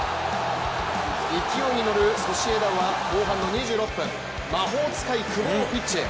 勢いに乗るソシエダは後半２６分、魔法使い・久保をピッチへ。